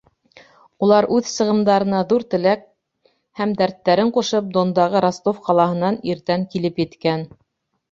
Улар үҙ сығымдарына ҙур теләк һәм дәрттәрен ҡушып, Дондағы Ростов ҡалаһынан иртән килеп еткән.